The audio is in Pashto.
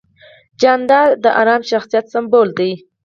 جانداد د ارام شخصیت سمبول دی.